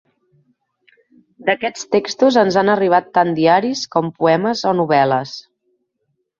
D’aquests textos ens han arribat tant diaris, com poemes o novel·les.